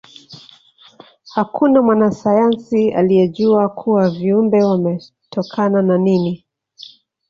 hakuna mwanasayansi aliejua hawa viumbe wametokana na nini